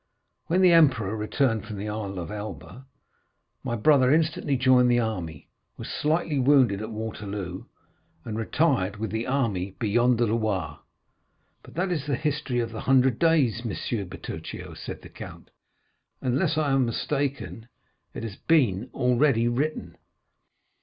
When the emperor returned from the Island of Elba, my brother instantly joined the army, was slightly wounded at Waterloo, and retired with the army beyond the Loire." "But that is the history of the Hundred Days, M. Bertuccio," said the count; "unless I am mistaken, it has been already written."